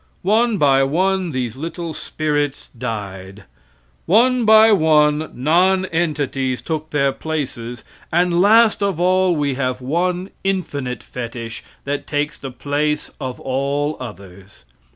One by one these little spirits died. One by one nonentities took their places, and last of all we have one infinite fetich that takes the place of all others.